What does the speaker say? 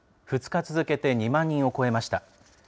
２日続けて２万人を超えました。